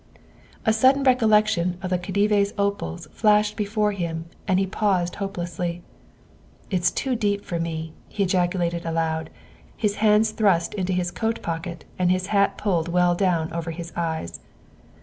A sudden recollection of the Khedive's opals flashed before him, and he paused hopelessly. " It's too deep for me," he ejaculated aloud, his hands thrust into his coat pocket and his hat pulled well down over his eyes.